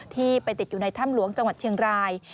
ที่ไปติดอยู่ในถ้ำหลวงจังหวัดเชียงราย